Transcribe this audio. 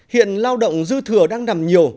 hiện lao động dư thừa đang nằm nhiều